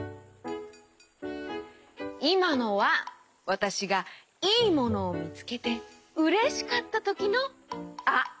いまのはわたしがいいものみつけてうれしかったときの「あ」！